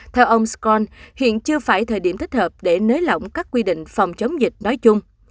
theo ông scon hiện chưa phải thời điểm thích hợp để nới lỏng các quy định phòng chống dịch nói chung